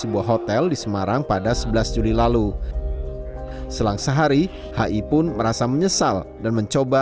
sebuah hotel di semarang pada sebelas juli lalu selang sehari hi pun merasa menyesal dan mencoba